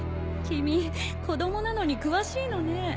君子供なのに詳しいのね。